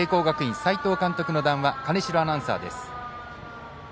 学院斎藤監督の談話金城アナウンサーです。